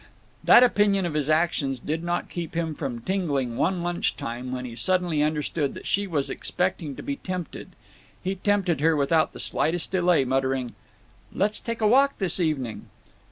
That opinion of his actions did not keep him from tingling one lunch time when he suddenly understood that she was expecting to be tempted. He tempted her without the slightest delay, muttering, "Let's take a walk this evening?"